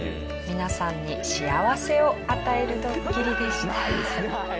皆さんに幸せを与えるドッキリでした。